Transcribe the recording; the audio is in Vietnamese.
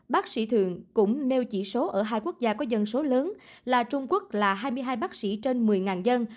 bác sĩ thượng cũng nêu chỉ số ở hai quốc gia có dân số lớn là trung quốc là hai mươi hai bác sĩ trên một mươi dân